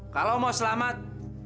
kalau mau selamat